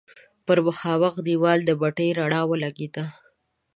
پر مخامخ دېوال د بتۍ رڼا ولګېده.